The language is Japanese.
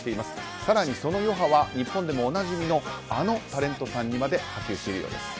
更に、その余波は日本でもおなじみのあのタレントさんにまで波及しているようです。